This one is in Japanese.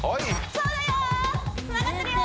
そうだよ